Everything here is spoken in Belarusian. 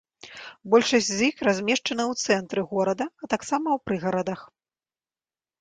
Большасць з іх размешчаны ў цэнтры горада, а таксама ў прыгарадах.